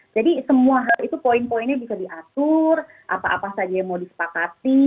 jadi semua hal itu poin poinnya bisa diatur apa apa saja yang mau disepakati